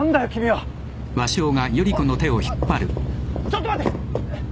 ちょっと待て！